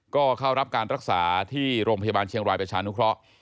ก็เข้ารับการรักษาที่โรงพยาบาลเชียงรายประชานุเคราะห์